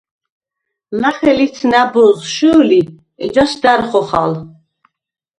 ლახე ლიც ნა̈ბოზს შჷლი, ეჯასი და̈რ ხოხალ.